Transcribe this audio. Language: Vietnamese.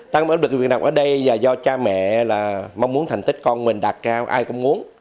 tăng áp lực việc học ở đây là do cha mẹ mong muốn thành tích con mình đạt cao ai cũng muốn